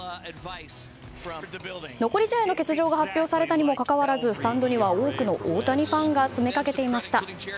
残り試合の欠場が発表されたにもかかわらずスタンドには多くの大谷ファンが詰めかけていました。